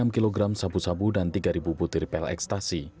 enam kg sabu sabu dan tiga butir pil ekstasi